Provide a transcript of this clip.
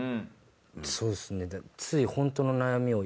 そうですね。